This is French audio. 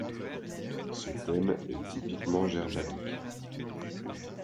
Ce thème est typiquement germanique.